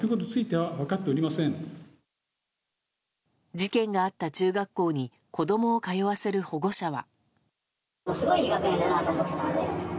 事件があった中学校に子供を通わせる保護者は。